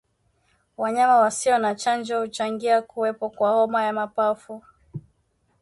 Wanyama wasio na chanjo huchangia kuwepo kwa homa ya mapafu